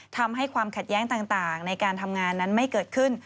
ทำให้ความขัดแย้งต่างในการทำงานนั้นไม่เกิดขึ้น